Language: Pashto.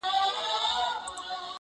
ځکه لاهم پاته څو تڼۍ پر ګرېوانه لرم,